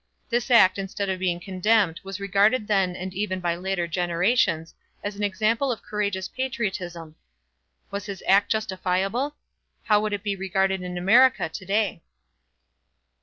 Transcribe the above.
This act instead of being condemned was regarded then and even by later generations as an example of courageous patriotism. Was his act justifiable? How would it be regarded in America to day?